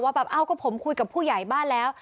แบบเอ้าก็ผมคุยกับผู้ใหญ่บ้านแล้ว